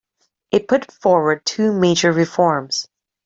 It put forward two major reforms.